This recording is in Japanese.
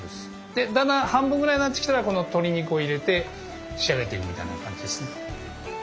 でだんだん半分ぐらいになってきたらこの鶏肉を入れて仕上げていくみたいな感じですね。